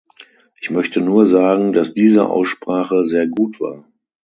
Ich möchte nur sagen, dass diese Aussprache sehr gut war.